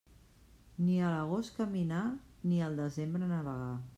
Ni a l'agost caminar, ni al desembre navegar.